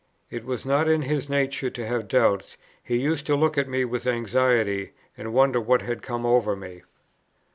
It was not in his nature to have doubts: he used to look at me with anxiety, and wonder what had come over me.